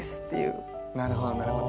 なるほどなるほど。